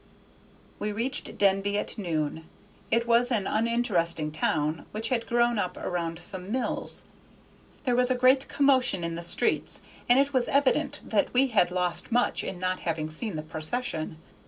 We reached Denby at noon; it was an uninteresting town which had grown up around some mills. There was a great commotion in the streets, and it was evident that we had lost much in not having seen the procession.